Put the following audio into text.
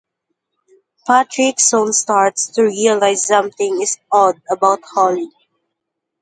Patrick soon starts to realize something is odd about Holly.